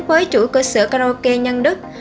với chủ cơ sở karaoke nhân đức